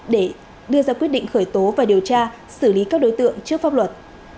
để đưa ra quyết định khởi tố và điều tra xử lý các đối tượng trước pháp luật